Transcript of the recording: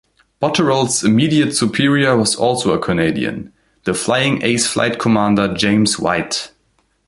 Botterell's immediate superior was also a Canadian, the flying ace Flight Commander James White.